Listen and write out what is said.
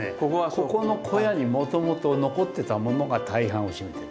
ここの小屋にもともと残ってたものが大半を占めてる。